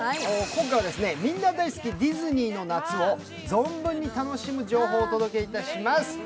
今回はみんな大好きディズニーの夏を存分に楽しむ情報をお届けします。